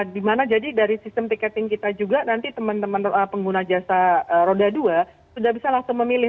dimana jadi dari sistem tiketing kita juga nanti teman teman pengguna jasa roda dua sudah bisa langsung memilih